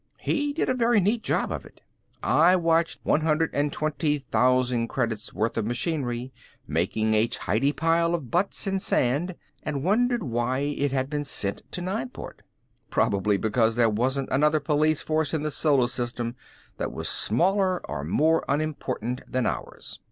He did a very neat job of it. I watched 120,000 credits worth of machinery making a tidy pile of butts and sand and wondered why it had been sent to Nineport. Probably because there wasn't another police force in the solar system that was smaller or more unimportant than ours.